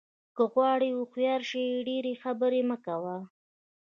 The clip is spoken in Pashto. که غواړې هوښیار شې ډېرې خبرې مه کوه.